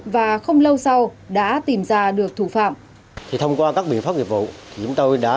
và không lâu sau đã tìm ra được thủ phạm